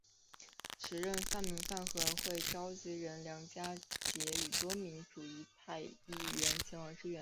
时任泛民饭盒会召集人梁家杰与多名民主派议员前往支援。